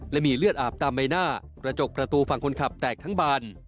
และมีเลือดอาบตามใบหน้ากระจกประตูฝั่งคนขับแตกทั้งบาน